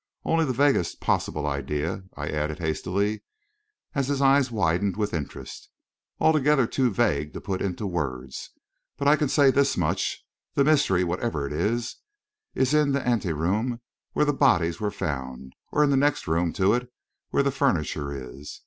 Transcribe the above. Only the vaguest possible idea," I added hastily, as his eyes widened with interest; "altogether too vague to be put into words. But I can say this much the mystery, whatever it is, is in the ante room where the bodies were found, or in the room next to it where the furniture is.